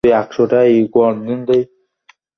তবে সমস্যা নেই, আমার কাছে প্লান বি আছে!